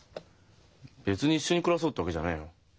別に一緒に暮らそうってわけじゃねえよ。